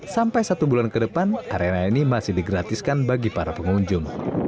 sampai satu bulan ke depan arena ini masih digratiskan bagi para pengunjung